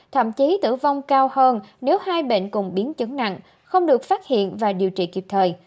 thậm chí tử vong cao hơn nếu hai bệnh cùng biến chứng nặng không được phát hiện và điều trị kịp thời